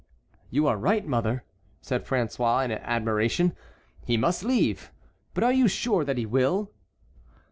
"You are right, mother," said François in admiration, "he must leave. But are you sure that he will?"